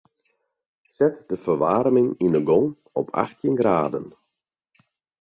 Set de ferwaarming yn 'e gong op achttjin graden.